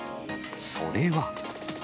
それは。